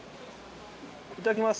いただきます。